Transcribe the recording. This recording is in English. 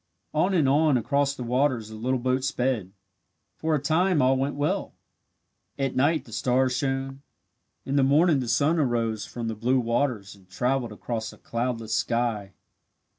On and on across the waters the little boat sped. For a time all went well. At night the stars shone. In the morning the sun arose from the blue waters and travelled across a cloudless sky.